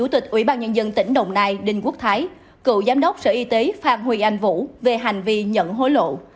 chủ tịch ủy ban nhân dân tỉnh đồng nai đinh quốc thái cựu giám đốc sở y tế phan huy anh vũ về hành vi nhận hối lộ